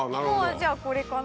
じゃあこれかな。